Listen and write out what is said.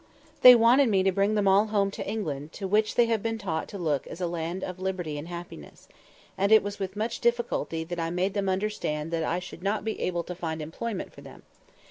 They wanted me to bring them all home to England, to which they have been taught to look as to a land of liberty and happiness; and it was with much difficulty that I made them understand that I should not be able to find employment for them.